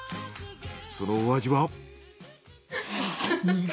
そのお味は？